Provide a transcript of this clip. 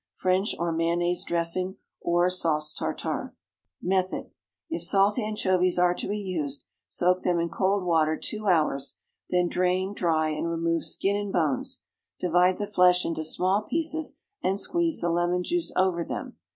French or mayonnaise dressing, or Sauce tartare. Method. If salt anchovies are to be used, soak them in cold water two hours, then drain, dry, and remove skin and bones; divide the flesh into small pieces and squeeze the lemon juice over them.